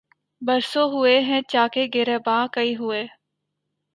برسوں ہوئے ہیں چاکِ گریباں کئے ہوئے